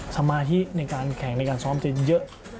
สมาธิในการแข่งในการซ้อมจะเยอะ